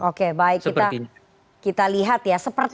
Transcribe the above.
oke baik kita lihat ya seperti